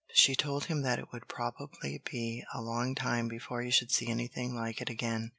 She told him that it would probably be a long time before he should see anything like it again.